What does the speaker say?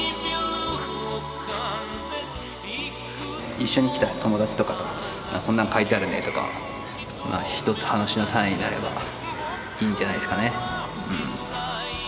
一緒に来た友達とかとこんなん書いてあるねとかひとつ話の種になればいいんじゃないですかね。